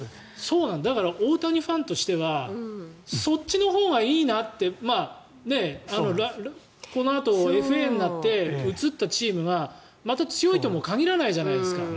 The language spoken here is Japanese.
大谷ファンとしてはそっちのほうがいいなってこのあとＦＡになって移ったチームがまた強いとも限らないじゃないですか。